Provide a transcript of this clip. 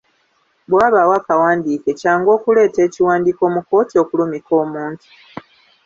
Bwe wabaawo akawandiike, kyangu okuleeta ekiwandiiko mu kkoti okulumika omuntu.